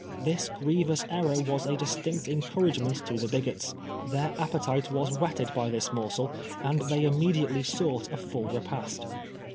This grievous error was a distinct encouragement to the bigots. Their appetite was whetted by this morsel, and they immediately sought a full repast.